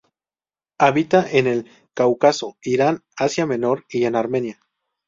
Habita en el Cáucaso, Irán, Asia Menor y en Armenia.